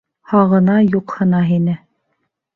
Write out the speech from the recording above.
Һағына, юҡһына һине.